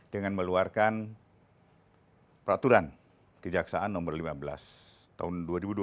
dengan meluarkan peraturan kejaksaan nomor lima belas tahun dua ribu dua puluh